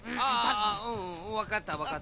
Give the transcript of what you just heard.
ああうんわかったわかった。